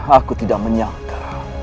aku tidak menyangka